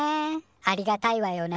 ありがたいわよね。